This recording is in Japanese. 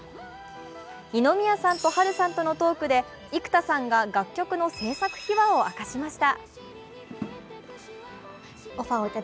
二宮さんと波瑠さんとのトークで幾田さんが楽曲の制作秘話を明かしました。